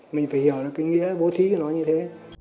mình phải hiểu được cái nghĩa bố thí của nó như thế